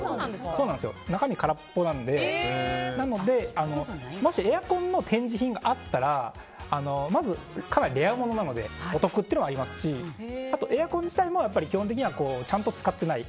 中身は空っぽなのでもしエアコンの展示品があったらまず、かなりレアものなのでお得というのはありますしエアコン自体も基本的にはちゃんと使ってない。